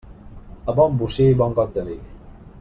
A bon bocí, bon got de vi.